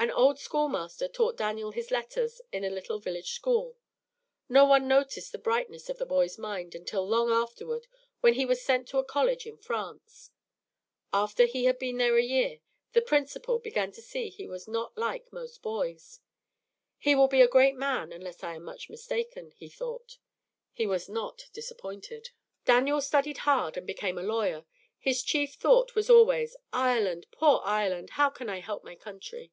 An old schoolmaster taught Daniel his letters in a little village school. No one noticed the brightness of the boy's mind until long afterward, when he was sent to a college in France. After he had been there a year, the principal began to see he was not like most boys. "He will be a great man, unless I am much mistaken," he thought. He was not disappointed. Daniel studied hard and became a lawyer. His chief thought was always, "Ireland! Poor Ireland! How can I help my country?"